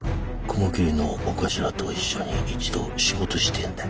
雲霧のお頭と一緒に一度仕事してえんだ。